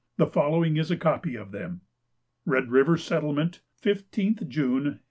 The following is a copy of them: "Red River Settlement, "15th June, 1846.